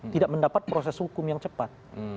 tidak mendapat proses hukum yang cepat